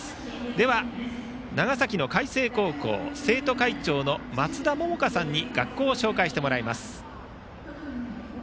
では、長崎の海星高校生徒会長の松田百叶さんに学校を紹介してもらいます。